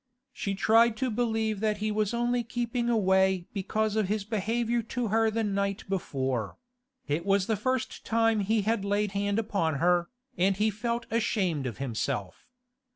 She tried to believe that he was only keeping away because of his behaviour to her the night before; it was the first time he had laid hand upon her, and he felt ashamed of himself.